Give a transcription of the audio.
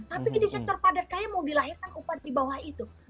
tapi di sektor padat karya mau dilahirkan upah dibawah itu